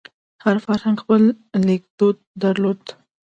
هر فرهنګ خپل لیکدود درلود.